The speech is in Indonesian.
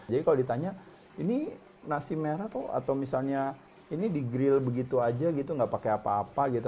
jadi kalau ditanya ini nasi merah kok atau misalnya ini digrill begitu aja gitu gak pakai apa apa gitu